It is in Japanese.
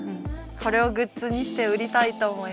これをグッズにして売りたいと思います！